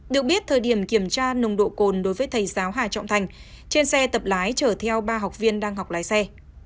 được biết thời điểm kiểm tra nồng độ cồn đối với thầy giáo hà trọng thành trên xe tập lái chở theo ba học viên đang học lái xe